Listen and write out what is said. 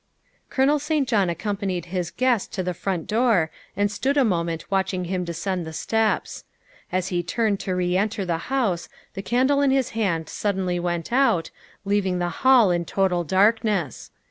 Colonel St. John accompanied his guest to the front 96 THE WIFE OF door and stood a moment watching him descend the steps. As he turned to reenter the house the candle in his hand suddenly went out, leaving the hall in total darkness.